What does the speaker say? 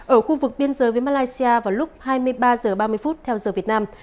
ở khu vực biên giới với malaysia vào lúc hai mươi ba h ba mươi theo giờ việt nam